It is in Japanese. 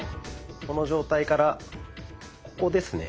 この状態からここですね。